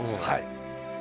はい